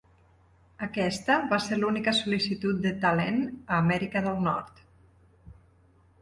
Aquesta va ser l'única sol·licitud de Talent a Amèrica del Nord.